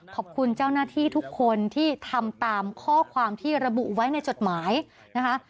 ขอบคุณเจ้าหน้าที่ทุกคนที่ทำตามข้อความที่ระบุไว้ในจดหมายนะคะ